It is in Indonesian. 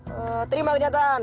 ehm terima kenyataan